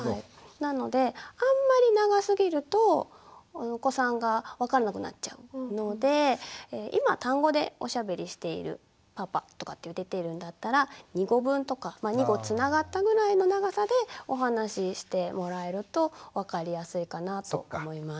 なのであんまり長すぎるとお子さんが分かんなくなっちゃうので今単語でおしゃべりしている「パパ」とかって出てるんだったら２語文とか２語つながったぐらいの長さでお話ししてもらえると分かりやすいかなと思います。